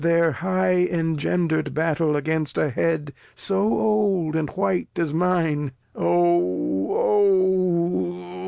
Their high engender'd Battle against a Head So Old and White as mine ; Oh ! oh